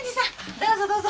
どうぞどうぞ。